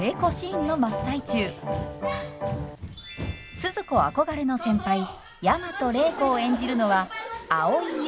スズ子憧れの先輩大和礼子を演じるのは蒼井優さん。